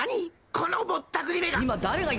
このぼったくりめが！